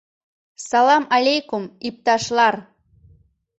Салам алейкум, ипташлар!